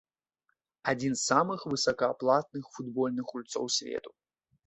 Адзін з самых высокааплатных футбольных гульцоў свету.